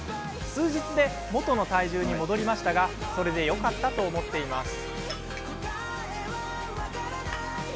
数日で元の体重に戻りましたがそれでよかったと思っています。